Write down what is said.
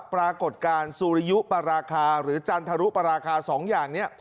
ปรากฏการณ์สุริยุปราคาหรือจันทรุปราคา๒อย่างนี้